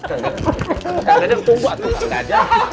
aku mau becanda